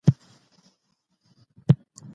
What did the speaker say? تاسي ولي په خپله ځواني کي د وخت قدر نه کوئ؟